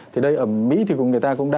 thì đây ở mỹ thì người ta cũng đa